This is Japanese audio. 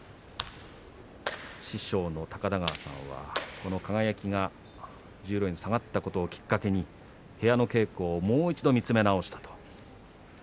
師匠の高田川さんはこの輝が十両に下がったことをきっかけに部屋の稽古をもう一度見直したと。